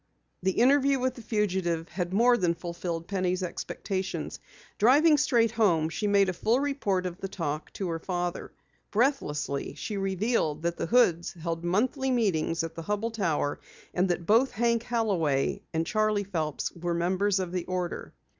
The interview with the fugitive had more than fulfilled Penny's expectations. Driving straight home, she made a full report of the talk to her father. Breathlessly, she revealed that the Hoods held monthly meetings at the Hubell Tower, and that both Hank Holloway and Charley Phelps were members of the order.